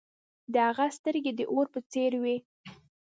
د هغه سترګې د اور په څیر وې.